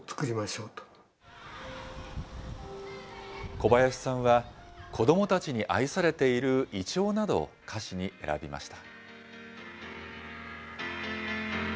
小林さんは、子どもたちに愛されているイチョウなどを、歌詞に選びました。